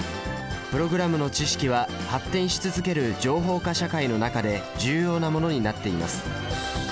プログラムの知識は発展し続ける情報化社会の中で重要なものになっています。